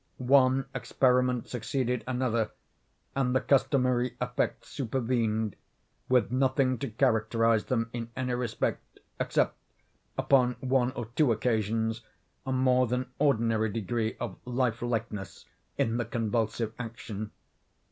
One experiment succeeded another, and the customary effects supervened, with nothing to characterize them in any respect, except, upon one or two occasions, a more than ordinary degree of life likeness in the convulsive action.